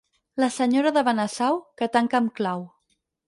La senyora de Benasau, que tanca amb clau.